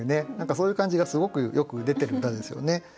そういう感じがすごくよく出てる歌ですよね。